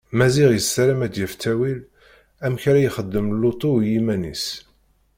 Maziɣ yessaram ad yaf ttawil amek ara ixdem lutu u yiman-is.